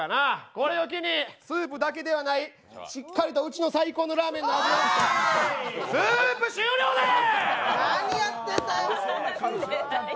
これを機にスープだけやないしっかりとうちの最高のラーメンの味をスープ終了です！